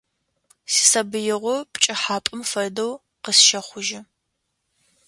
Сисабыигъо пкӀыхьапӀэм фэдэу къысщэхъужьы.